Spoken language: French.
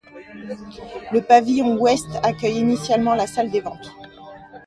Le pavillon ouest accueille initialement la salle des ventes.